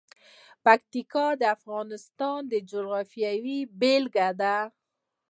پکتیا د افغانستان د جغرافیې بېلګه ده.